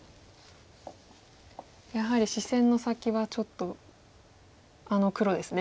やはり視線の先はちょっとあの黒ですね。